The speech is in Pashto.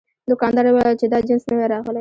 دوکاندار وویل چې دا جنس نوی راغلی.